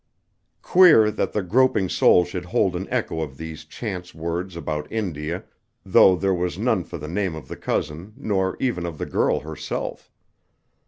Queer that the groping soul should hold an echo of these chance words about India, though there was none for the name of the cousin, nor even of the girl herself.